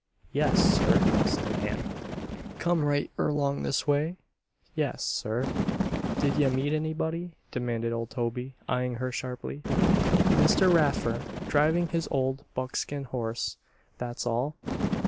"Yes, sir," said Nan. "Come right erlong this way?" "Yes, sir." "Did ye meet anybody?" demanded old Toby, eyeing her sharply. "Mr. Raffer, driving his old buckskin horse. That's all."